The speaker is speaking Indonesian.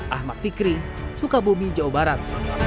ahmad fikri sukabumi jawa barat